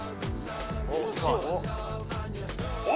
お！